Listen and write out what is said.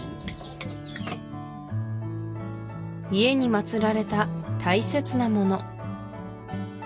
家に祭られた大切なもの